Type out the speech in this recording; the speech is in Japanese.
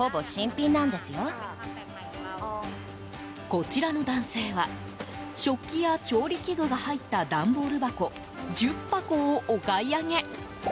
こちらの男性は食器や調理器具が入った段ボール箱１０箱をお買い上げ。